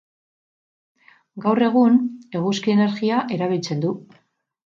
Gaur egun eguzki energia erabiltzen du.